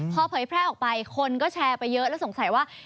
พอเผยแพร่ออกไปคนก็แชร์ไปเยอะแล้วสงสัยว่า